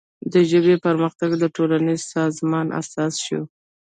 د ژبې پرمختګ د ټولنیز سازمان اساس شو.